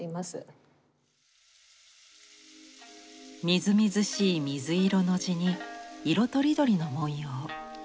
みずみずしい水色の地に色とりどりの文様。